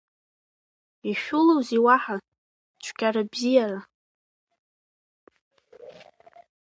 Ишәылоузеи уаҳа, цәгьара бзиара?